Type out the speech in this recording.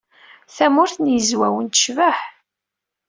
Tamurt n Yizwawen tecbeḥ.